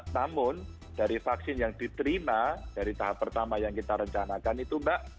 namun dari vaksin yang diterima dari tahap pertama yang kita rencanakan itu mbak